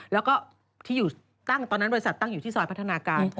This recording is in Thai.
แล้วก็ตอนนี้บริษัทตั้งอยู่ที่ซอยพัฒนาการ